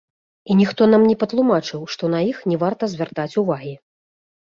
І ніхто нам не патлумачыў, што на іх не варта звяртаць увагі.